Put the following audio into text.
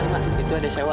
nanti masuk gitu ada sewa